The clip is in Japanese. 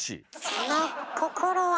その心は？